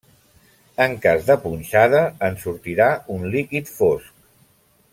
En cas de punxada, en sortirà un líquid fosc.